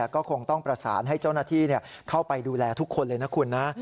ก็คงต้องประสานให้เจ้าหน้าที่เข้าไปดูแลทุกคนเลยนะคุณนะ